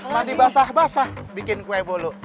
mandi basah basah bikin kue bolu